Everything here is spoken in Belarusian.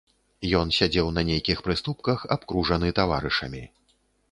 Ён сядзеў на нейкіх прыступках, абкружаны таварышамі.